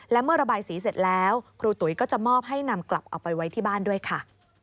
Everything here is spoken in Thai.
และเมื่อระบายสีเสร็จแล้วครูตุ๋ยก็จะมอบให้นำกลับเอาไปไว้ที่บ้านด้วยค่ะ